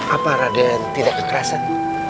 apa raden tidak kekerasan